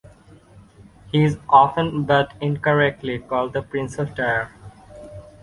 He is often but incorrectly called the Prince of Tyre.